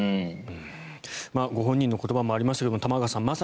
ご本人の言葉にもありましたけど玉川さん